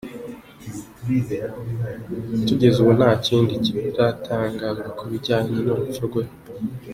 Kugeza ubu, nta kindi kiratangazwa ku bijyanye n’urupfu rwe.